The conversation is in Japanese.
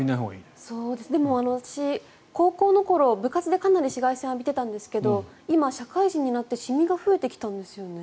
でも、私、高校の頃部活でかなり紫外線を浴びていたんですけど今、社会人になってシミが増えてきたんですよね。